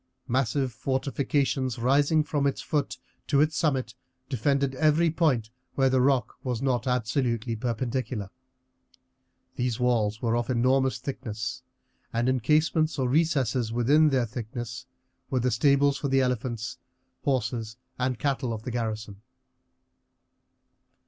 Massive fortifications rising from its foot to its summit defended every point where the rock was not absolutely perpendicular. These walls were of enormous thickness, and in casemates or recesses in their thickness were the stables for the elephants, horses, and cattle of the garrison.